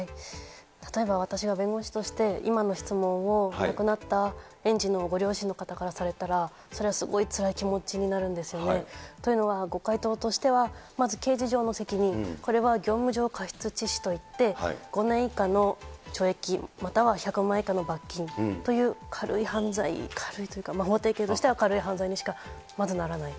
例えば私が弁護士として今の質問を亡くなった園児のご両親の方からされたら、それはすごいつらい気持ちになるんですよね。というのはご回答としては、まず刑事上の責任、これは業務上過失致死といって、５年以下の懲役、または１００万円以下の罰金という軽い犯罪、軽いというか、法定刑としては軽い犯罪にしかまずならない。